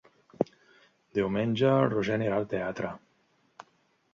Diumenge en Roger anirà al teatre.